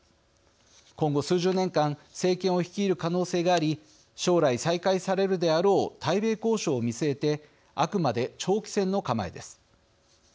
今後数十年間政権を率いる可能性があり将来再開されるであろう対米交渉を見据えてあくまで長期戦の構えです。